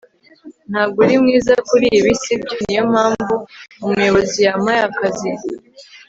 ntabwo uri mwiza kuri ibi, si byo? niyo mpamvu umuyobozi yampaye akazi